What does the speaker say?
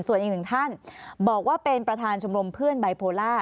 ส่วนอีกหนึ่งท่านบอกว่าเป็นประธานชมรมเพื่อนไบโพล่า